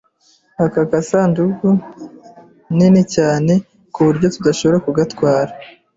Aka gasanduku nini cyane ku buryo tutashobora gutwara.